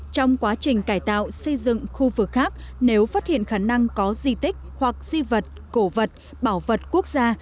trong quá trình cải tạo xây dựng khu vực khác nếu phát hiện khả năng có di tích hoặc di vật cổ vật bảo vật quốc gia